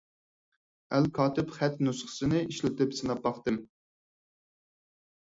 ئەلكاتىپ خەت نۇسخىسىنى ئىشلىتىپ سىناپ باقتىم.